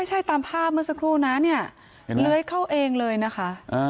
ใช่ตามภาพเมื่อสักครู่นะเนี่ยเลื้อยเข้าเองเลยนะคะ